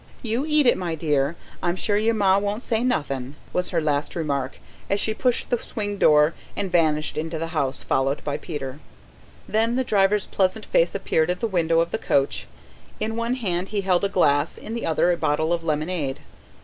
"You eat it, my dear. I'm sure your ma won't say nothin'," was her last remark as she pushed the swing door and vanished into the house, followed by Peter. Then the driver's pleasant face appeared at the window of the coach. In one hand he held a glass, in the other a bottle of lemonade.